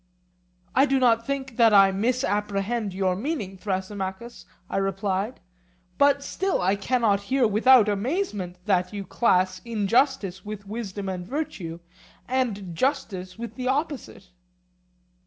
I do not think that I misapprehend your meaning, Thrasymachus, I replied; but still I cannot hear without amazement that you class injustice with wisdom and virtue, and justice with the opposite.